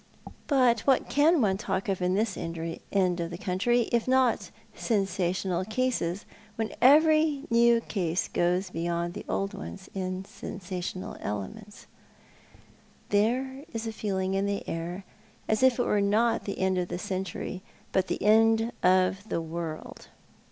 But what can one talk of in this end of the century, if not sensational cases, when every new case goes beyond the old ones in sensational elements? There is a feeling in the air as if it were not the end of the century, but the end of the world.